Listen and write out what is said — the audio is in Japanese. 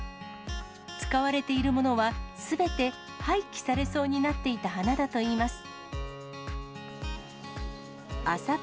使われているものは、すべて廃棄されそうになっていた花だといいます。